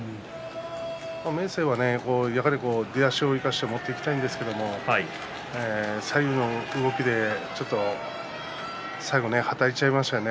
明生は出足を生かして持っていきたいんですけど左右の動きで最後、はたいちゃいましたね。